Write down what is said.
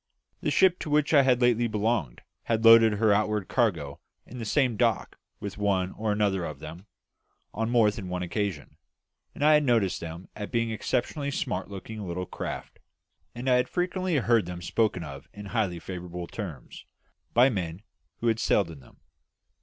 The ship to which I had lately belonged had loaded her outward cargo in the same dock with one or another of them on more than one occasion, and I had noticed them as being exceptionally smart looking little craft; and I had frequently heard them spoken of in highly favourable terms, by men who had sailed in them.